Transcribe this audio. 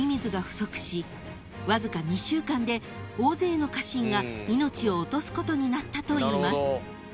［わずか２週間で大勢の家臣が命を落とすことになったといいます］